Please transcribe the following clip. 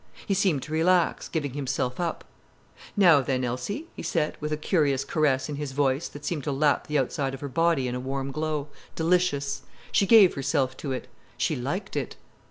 He seemed to relax, giving himself up. "Now then, Elsie," he said, with a curious caress in his voice that seemed to lap the outside of her body in a warm glow, delicious. She gave herself to it. She liked it.